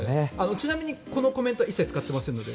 ちなみに、このコメントは一切使っていませんので。